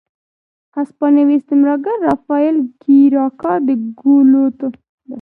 هسپانوي استعمارګرو رافایل کېریرا د ګواتیمالا واک ترلاسه کړ.